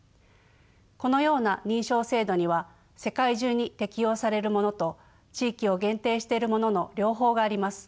このような認証制度には世界中に適用されるものと地域を限定しているものの両方があります。